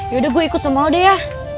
yaudah gue ikut sama ode ya